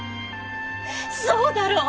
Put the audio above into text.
そうだろう！？